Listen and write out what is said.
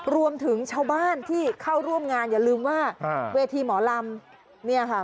รวมถึงชาวบ้านที่เข้าร่วมงานอย่าลืมว่าเวทีหมอลำเนี่ยค่ะ